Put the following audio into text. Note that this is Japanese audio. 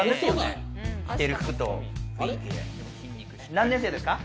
何年生ですか？